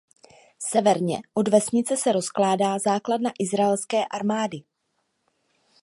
Severně od vesnice se rozkládá základna izraelské armády.